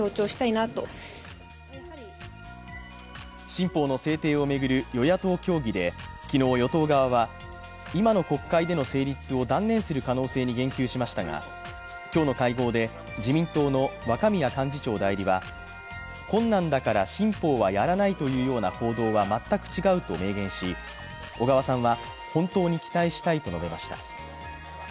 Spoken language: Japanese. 新法の制定を巡る与野党協議で昨日、与党側は今の国会での成立を断念する可能性に言及しましたが、今日の会合で自民党の若宮幹事長代理は困難だから新法はやらないという報道は全く違うと明言し小川さんは本当に期待したいと述べました。